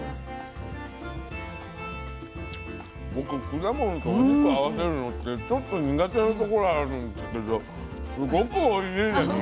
僕果物とお肉を合わせるのってちょっと苦手なところあるんですけどすごくおいしいですね。